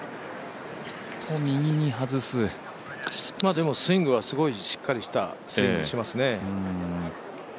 でもスイングはしっかりとしたスイングしますね。